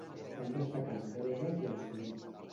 Van destacar els belgues i els suïssos.